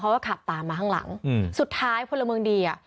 เขาก็ขับตามมาข้างหลังอืมสุดท้ายพลเมืองดีอ่ะ